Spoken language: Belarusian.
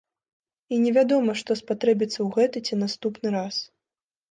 І невядома, што спатрэбіцца ў гэты ці наступны раз.